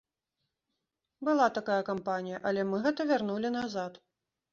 Была такая кампанія, але мы гэта вярнулі назад.